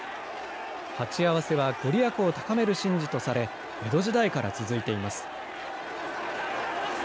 鉢合わせは御利益を高める神事とされ、江戸時代から続いています。